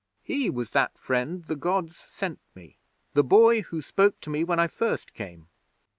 'He was that friend the Gods sent me the boy who spoke to me when I first came.